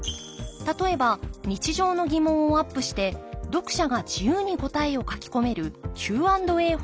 例えば日常の疑問をアップして読者が自由に答えを書き込めるＱ＆Ａ方式のもの。